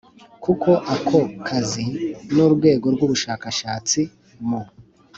Kuko ako kazi n ‘urwego rw,ubashakashatsi mu